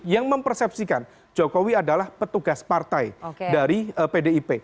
yang mempersepsikan jokowi adalah petugas partai dari pdip